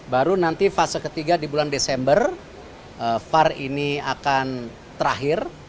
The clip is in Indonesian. baru nanti fase ketiga di bulan desember var ini akan terakhir